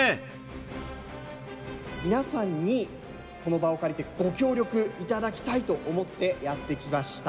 みなさんにこの場を借りてご協力いただきたいと思ってやってきました。